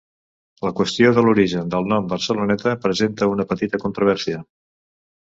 La qüestió de l'origen del nom Barceloneta presenta una petita controvèrsia.